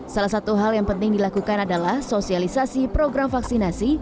salah satu hal yang penting dilakukan adalah sosialisasi program vaksinasi